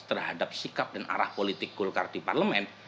terhadap sikap dan arah politik golkar di parlemen